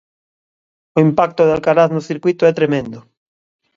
O impacto de Alcaraz no circuíto é tremendo.